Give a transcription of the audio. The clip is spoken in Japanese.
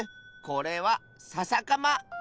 これはささかま！